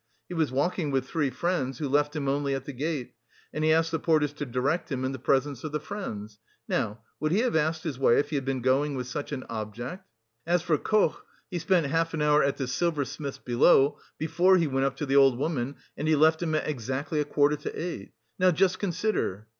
He was walking with three friends, who left him only at the gate, and he asked the porters to direct him, in the presence of the friends. Now, would he have asked his way if he had been going with such an object? As for Koch, he spent half an hour at the silversmith's below, before he went up to the old woman and he left him at exactly a quarter to eight. Now just consider..."